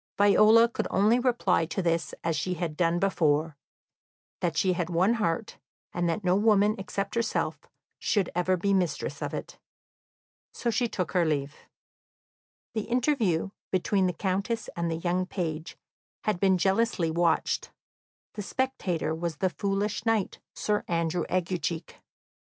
Viola could only reply to this as she had done before, that she had one heart, and that no woman except herself should ever be mistress of it. So she took her leave. The interview between the Countess and the young page had been jealously watched; the spectator was the foolish knight, Sir Andrew Aguecheek.